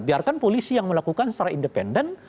biarkan polisi yang melakukan secara independen